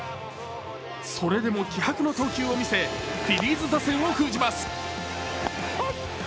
それでも気迫の投球を見せフィリーズ打線を封じます。